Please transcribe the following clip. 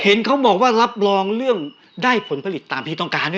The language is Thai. เห็นเขาบอกว่ารับรองเรื่องได้ผลผลิตตามที่ต้องการ